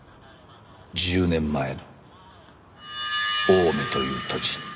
１０年前の青梅という土地に。